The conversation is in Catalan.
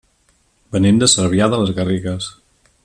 Venim de Cervià de les Garrigues.